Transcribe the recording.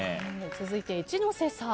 続いて一ノ瀬さん。